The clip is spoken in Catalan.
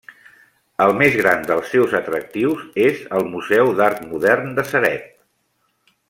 El més gran dels seus atractius és el Museu d'Art Modern de Ceret.